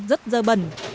rất dơ bẩn